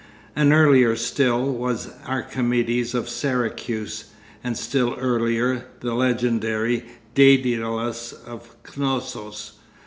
And earlier still was Archimedes of Syracuse, and still earlier the legendary Daedalus of Cnossos.